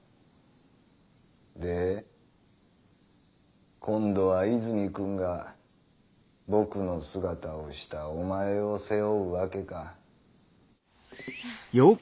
で今度は泉くんが僕の姿をしたお前を背負うわけか。